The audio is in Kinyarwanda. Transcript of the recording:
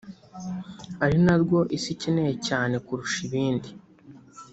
ari narwo Isi ikeneye cyane kurusha ibindi